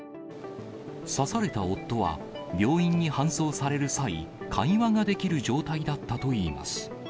刺された夫は、病院に搬送される際、会話ができる状態だったといいます。